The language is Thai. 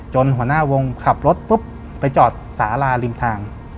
หัวหน้าวงขับรถปุ๊บไปจอดสาราริมทาง